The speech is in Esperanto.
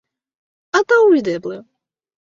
Antaŭvideble.